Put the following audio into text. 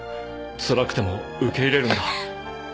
つらくても受け入れるんだ。